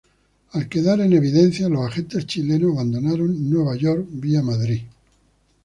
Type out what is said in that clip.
Al quedar en evidencia, los agentes chilenos abandonaron Nueva York vía Madrid.